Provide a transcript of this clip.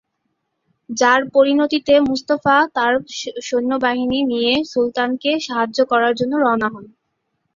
যার পরিণতিতে মুস্তাফা তার সৈন্যবাহিনী নিয়ে সুলতানকে সাহায্য করার জন্য রওনা হন।